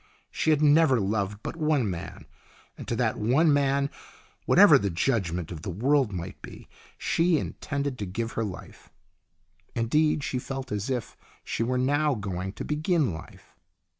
She had never loved but one man, and to that one man whatever the judgment of the world might be she intended to give her life. Indeed, she felt as if she were now going to begin life.